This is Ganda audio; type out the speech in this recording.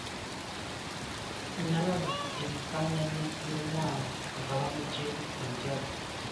Nnalaba ebifaananyi by'omwana nga bamuggyeemu enjala